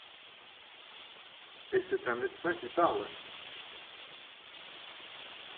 Et c’est un médecin qui parle !